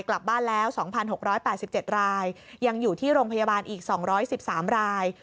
กลับบ้านแล้ว๒๖๘๗รายยังอยู่ที่โรงพยาบาลอีก๒๑๓ราย